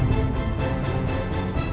kita sering fakir